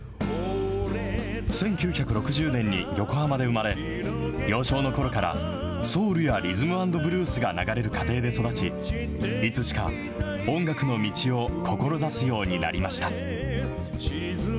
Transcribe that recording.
１９６０年に横浜で産まれ、幼少のころからソウルやリズム＆ブルースが流れる家庭で育ち、いつしか、音楽の道を志すようになりました。